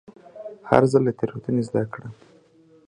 هر ځل له تېروتنې زده کړه.